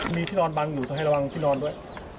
มีที่นอนบังอยู่ต้องให้ระวังที่นอนด้วย